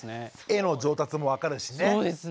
絵の上達も分かるしね。